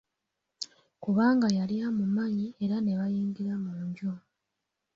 Kubanga yali amumanyi era ne bayingira mu nju.